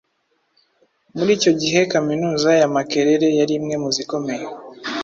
Muri icyo gihe Kaminuza ya Makerere yari imwe mu zikomeye